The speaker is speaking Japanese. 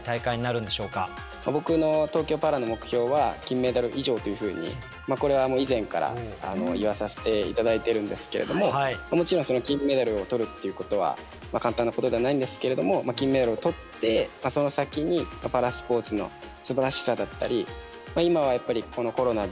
僕の東京パラの目標は「金メダル以上」というふうにこれは以前から言わさせて頂いてるんですけれどももちろん金メダルを取るっていうことは簡単なことではないんですけれども金メダルを取ってその先にパラスポーツのすばらしさだったり今はやっぱりこのコロナで一回